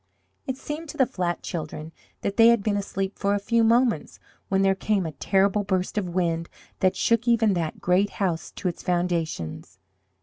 It seemed to the flat children that they had been asleep but a few moments when there came a terrible burst of wind that shook even that great house to its foundations.